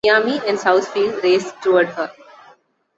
"Miami" and "Southfield" raced toward her.